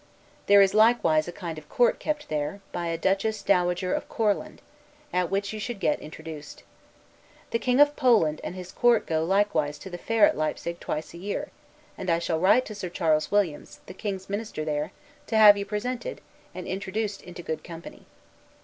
There is likewise a kind of court kept there, by a Duchess Dowager of Courland; at which you should get introduced. The King of Poland and his Court go likewise to the fair at Leipsig twice a year; and I shall write to Sir Charles Williams, the king's minister there, to have you presented, and introduced into good company.